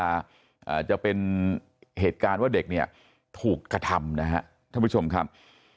อาจจะเป็นเหตุการณ์ว่าเด็กเนี่ยถูกกระทำนะฮะท่านผู้ชมครับ